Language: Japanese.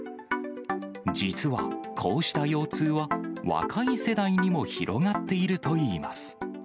実はこうした腰痛は、若い世代にも広がっているといいます。